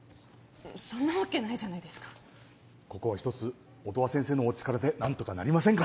そんなわけないじゃないですかここはひとつ音羽先生のお力で何とかなりませんか？